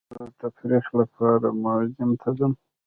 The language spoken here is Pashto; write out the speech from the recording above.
زه د تفریح لپاره میوزیم ته ځم.